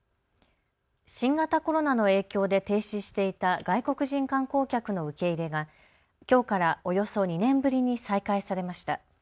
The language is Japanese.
新型コロナの影響で停止していた外国人観光客の受け入れがきょうからおよそ２年ぶりに再開されました。